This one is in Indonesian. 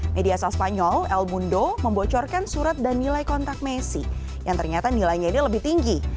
media asal spanyol el mundo membocorkan surat dan nilai kontak messi yang ternyata nilainya ini lebih tinggi